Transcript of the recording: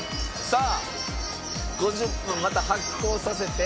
さあ５０分また発酵させて。